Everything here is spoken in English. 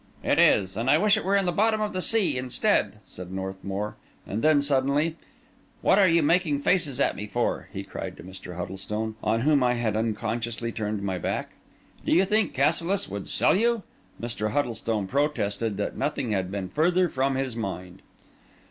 "It is; and I wish it were in the bottom of the sea instead," said Northmour; and then suddenly—"What are you making faces at me for?" he cried to Mr. Huddlestone, on whom I had unconsciously turned my back. "Do you think Cassilis would sell you?" Mr. Huddlestone protested that nothing had been further from his mind.